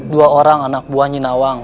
dua orang anak buah jinawang